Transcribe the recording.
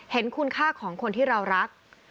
เห็นคุณค่าของคนที่เรารัก